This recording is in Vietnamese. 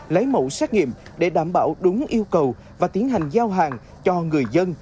lấy mẫu xét nghiệm để đảm bảo đúng yêu cầu và tiến hành giao hàng cho người dân